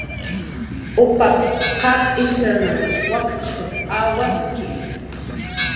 Upaq qaq ijrnaw wakch awatki